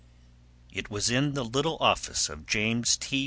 It was in the little office of James T.